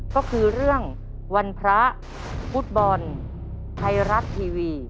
ก็คือเรื่องวันพระฟุตบอลไทยรัฐทีวี